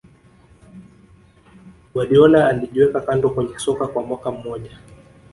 Guardiola alijiweka kando kwenye soka kwa mwaka mmoja